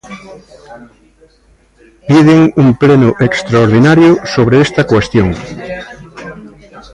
Piden un pleno extraordinario sobre esta cuestión.